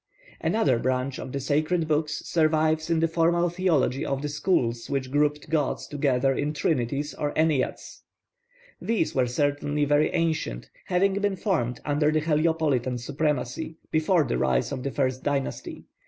Another branch of the sacred books survives in the formal theology of the schools which grouped gods together in trinities or enneads. These were certainly very ancient, having been formed under the Heliopolitan supremacy before the rise of the first dynasty.